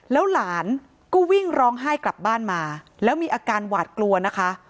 แล้วหลานก็วิ่งร้องไห้กลับบ้านมาแล้วมีอาการหวาดกลัวนะคะ